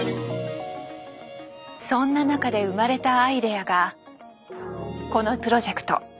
そんな中で生まれたアイデアがこのプロジェクト。